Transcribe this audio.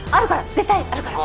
絶対あるから！